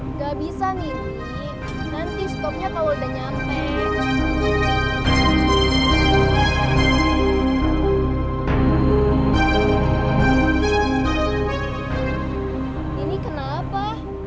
nggak bisa nih nanti stoknya kalau udah nyampe ini kenapa